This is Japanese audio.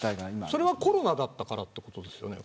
それはコロナだったからってことですよね。